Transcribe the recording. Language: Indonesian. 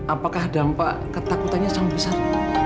apakah dampak ketakutannya sangat besar